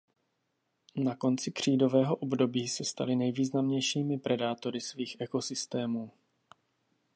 Ke konci křídového období se stali nejvýznamnějšími predátory svých ekosystémů.